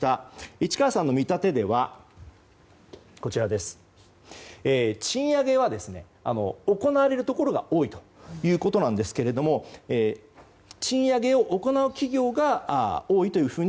市川さんの見立てでは賃上げは行われるところが多いということですが賃上げを行う企業が多いというふうに